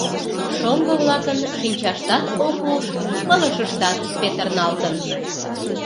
Шоҥго-влакын шинчаштат ок уж, пылышыштат петырналтын.